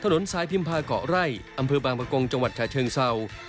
ถนนสายพิมพาเกาะไร่อำเภอบางประกงจังหวัดฉะเชิงเศร้า